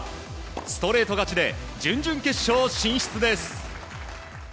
ストレート勝ちで準々決勝進出です。